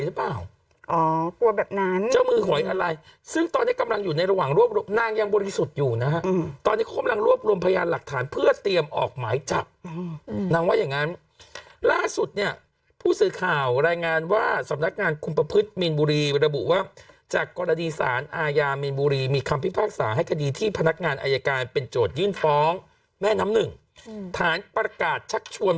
ศัยศาสตร์ศัยศาสตร์ศัยศาสตร์ศัยศาสตร์ศัยศาสตร์ศัยศาสตร์ศัยศาสตร์ศัยศาสตร์ศัยศาสตร์ศัยศาสตร์ศัยศาสตร์ศัยศาสตร์ศัยศาสตร์ศัยศาสตร์ศัยศาสตร์ศัยศาสตร์ศัยศาสตร์ศัยศาสตร์ศัย